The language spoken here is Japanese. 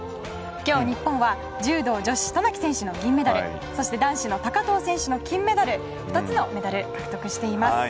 今日、日本は柔道女子渡名喜選手の銀メダルそして男子の高藤選手の金メダル２つのメダルを獲得しています。